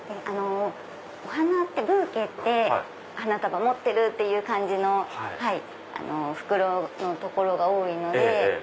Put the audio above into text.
ブーケって花束持ってる！っていう感じの袋のところが多いので。